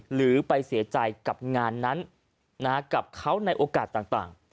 หรือไปเสียใจกับงานนั้นกับเขาในโอกาสต่าง